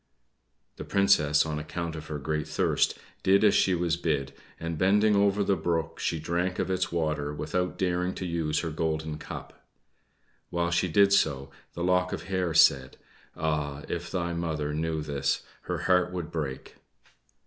The Princess, on account of her great thirst, did as she was bid, and bending over the brook she drank of its water without daring to use her golden cup. While she did so the lock of hair said, "Ah! if thy mother knew this, her heart would break."